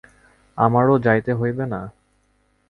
আমারও যাইতে হইবে না?